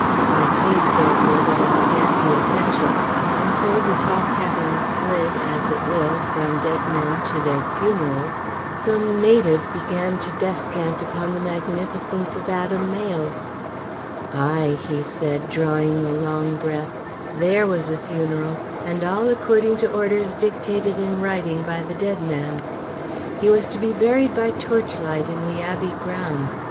I paid, therefore, but a scanty attention, until, the talk having slid, as it will, from dead men to their funerals, some native began to descant upon the magnificence of Adam Mayle's. "Ay," said he, drawing a long breath, "there was a funeral, and all according to orders dictated in writing by the dead man. He was to be buried by torchlight in the Abbey Grounds.